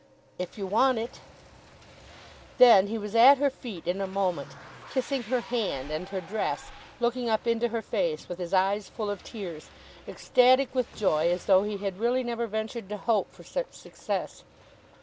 "If you want it." Then he was at her feet in a moment, kissing her hands and her dress, looking up into her face with his eyes full of tears, ecstatic with joy as though he had really never ventured to hope for such success.